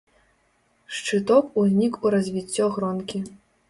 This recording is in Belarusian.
Шчыток узнік у развіццё гронкі.